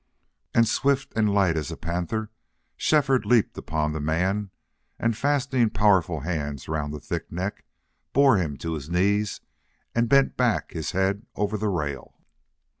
And swift and light as a panther Shefford leaped upon the man and, fastening powerful hands round the thick neck, bore him to his knees and bent back his head over the rail.